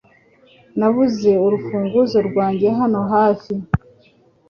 Nabuze urufunguzo rwanjye hano hafi .